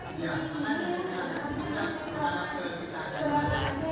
kita mau partai